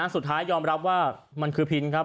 สุดท้ายยอมรับว่ามันคือพินครับ